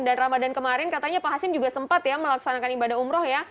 dan ramadhan kemarin katanya pak hashim juga sempat ya melaksanakan ibadah umroh ya